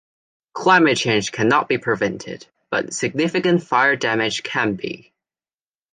Climate change cannot be prevented, but significant fire damage can be.